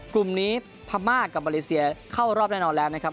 กลุ่มนี้พม่ากับมาเลเซียเข้ารอบแน่นอนแล้วนะครับ